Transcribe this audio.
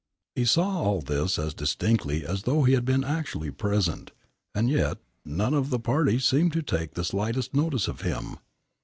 He saw all this as distinctly as though he had been actually present, and yet none of the party seemed to take the slightest notice of him.